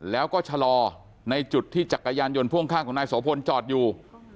แล้วก็ชะลอในจุดที่จักรยานยนต์พ่วงข้างของนายโสพลจอดอยู่